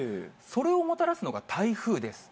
それをもたらすのが台風です。